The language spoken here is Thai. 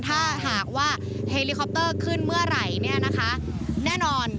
ถ้าหากว่าเฮลิคอปเตอร์ขึ้นเมื่อไหร่แน่นอน